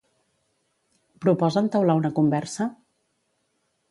Proposa entaular una conversa?